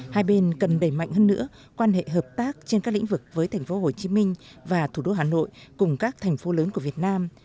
hai bên cần đẩy mạnh hơn nữa quan hệ hợp tác trên các lĩnh vực với thành phố hồ chí minh và thủ đô hà nội cùng các thành phố lớn của việt nam